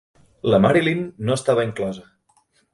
La Marilyn no estava inclosa.